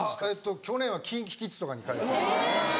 去年はＫｉｎＫｉＫｉｄｓとかに。